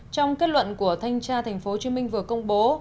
trong kết luận của thanh tra tp hcm vừa công bố